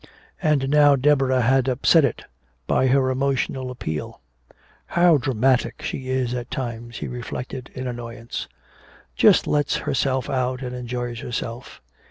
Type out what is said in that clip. And now Deborah had upset it by her emotional appeal. "How dramatic she is at times!" he reflected in annoyance. "Just lets herself out and enjoys herself!"